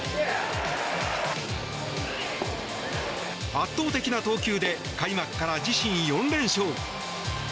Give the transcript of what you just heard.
圧倒的な投球で開幕から自身４連勝。